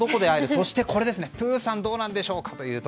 そして、プーさんはどうなんでしょうか。